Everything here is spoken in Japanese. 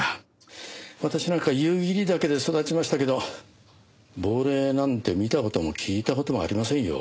私なんか夕霧岳で育ちましたけど亡霊なんて見た事も聞いた事もありませんよ。